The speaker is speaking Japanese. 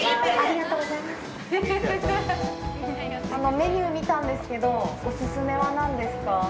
メニュー見たんですけど、お勧めはなんですか。